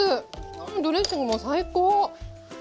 うんドレッシングも最高！